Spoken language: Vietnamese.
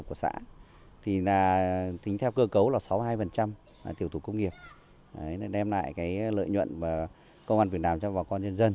của tỉnh hà tây cũ ngày trước